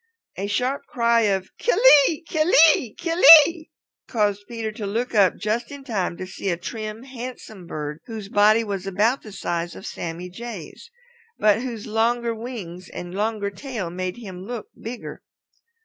A sharp cry of "Kill ee, kill ee, kill ee!" caused Peter to look up just in time to see a trim, handsome bird whose body was about the size of Sammy Jay's but whose longer wings and longer tail made him look bigger.